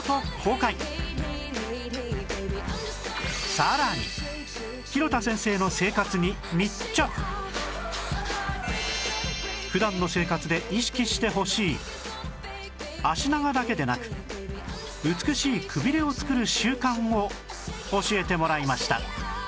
さらに普段の生活で意識してほしい脚長だけでなく美しいくびれを作る習慣を教えてもらいました